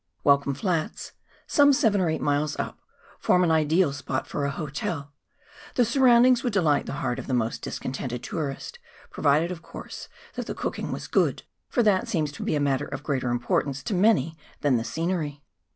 Welcome Flats — some 7 or 8 miles up — form an ideal spot for a hotel ; the surroundings would delight the heart of the most discontented tourist — provided of course that the cooking was good, for that seems to be a matter of greater importance to many than the scenery